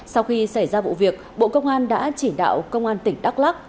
sau khi xảy ra vụ việc bộ công an đã chỉ đạo công an tỉnh đắk lắc